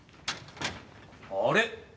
あれ？